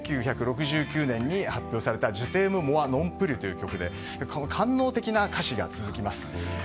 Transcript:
１９６９年に発表された「ジュ・テーム・モワ・ノン・プリュ」という曲で官能的な歌詞が続きます。